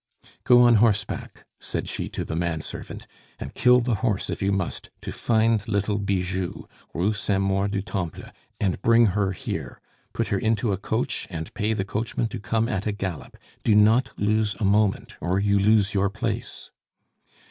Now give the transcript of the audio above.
"Go on horseback," said she to the man servant, "and kill the horse if you must, to find little Bijou, Rue Saint Maur du Temple, and bring her here. Put her into a coach and pay the coachman to come at a gallop. Do not lose a moment or you lose your place.